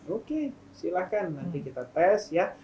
oke silahkan nanti kita tes ya